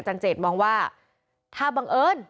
อาจารย์เจษมองว่าถ้าบังเอิญ